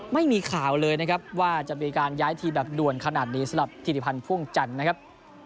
ไม่มีข่าวเลยนะครับว่าจะมีการย้ายทีมแบบด่วนขนาดนี้สำหรับธิริพันธ์พ่วงจันทร์นะครับ